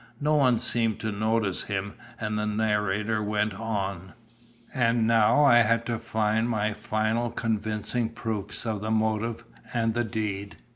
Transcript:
No one seemed to notice him, and the narrator went on: "And now I had to find my final convincing proofs of the motive and the deed.